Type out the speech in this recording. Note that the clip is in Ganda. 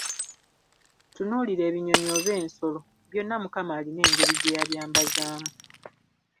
Tunuulira ebinnyonyi oba ensolo, byonna Mukama alina engeri gye yabyambazaamu.